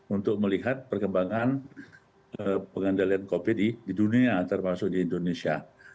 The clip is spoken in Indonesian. untuk melihat perkembangan pengendalian covid di dunia termasuk di indonesia